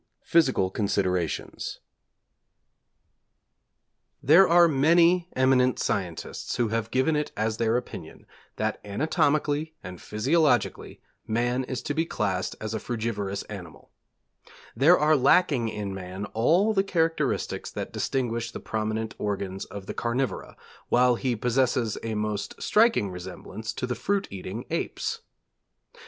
] II PHYSICAL CONSIDERATIONS There are many eminent scientists who have given it as their opinion that anatomically and physiologically man is to be classed as a frugivorous animal. There are lacking in man all the characteristics that distinguish the prominent organs of the carnivora, while he possesses a most striking resemblance to the fruit eating apes. Dr.